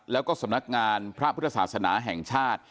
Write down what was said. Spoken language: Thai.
แล้วก็สำนักงานพระพุทธศาสนาแห่งชาติ